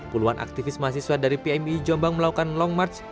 puluhan aktivis mahasiswa dari pmi jombang melakukan long march